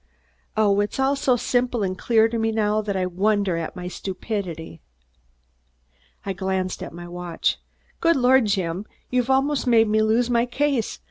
Oh, it's all so simple and clear to me now that I wonder at my stupidity." I glanced at my watch. "Good lord, Jim! You've almost made me lose my case.